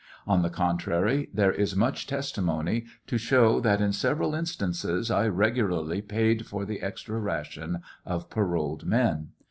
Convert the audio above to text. On the contrary, there is much testimony to show that in several instances I regularly paid for the extra ration of paroled men.